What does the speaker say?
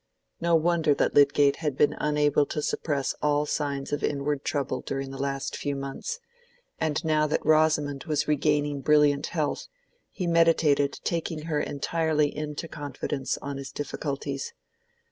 No wonder that Lydgate had been unable to suppress all signs of inward trouble during the last few months, and now that Rosamond was regaining brilliant health, he meditated taking her entirely into confidence on his difficulties.